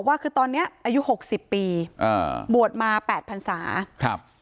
ว่าคือตอนเนี้ยอายุหกสิบปีอ่าบวชมาแปดพันศาครับ